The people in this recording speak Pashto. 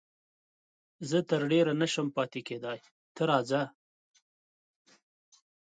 زه تر ډېره نه شم پاتېدای، ته راځه.